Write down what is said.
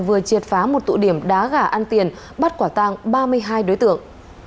vừa triệt phá một tụ điểm đá gà ăn tiền bắt quả tang ba mươi hai đối tượng